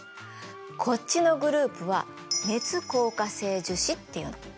こっちのグループは熱硬化性樹脂っていうの。